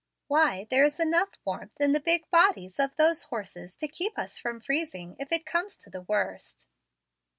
Why, there is enough warmth in the big bodies of those horses to keep us from freezing, if it comes to the worst."